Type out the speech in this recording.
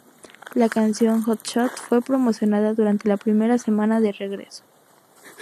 La canción "Hot Shot" fue promocionada durante la primera semana de regreso.